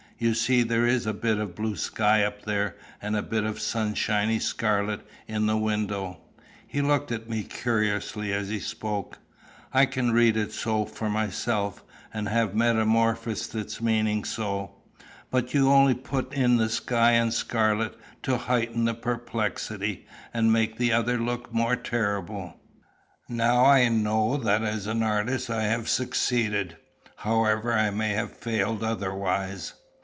You see there is a bit of blue sky up there, and a bit of sunshiny scarlet in the window." He looked at me curiously as he spoke. "I can read it so for myself, and have metamorphosed its meaning so. But you only put in the sky and the scarlet to heighten the perplexity, and make the other look more terrible." "Now I know that as an artist I have succeeded, however I may have failed otherwise.